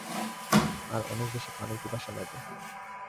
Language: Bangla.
আর অনেক বেশি পানির পিপাসা লাগে।